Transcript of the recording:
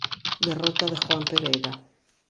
Derrota de Juan Pereira.